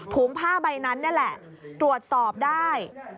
ผ้าใบนั้นนี่แหละตรวจสอบได้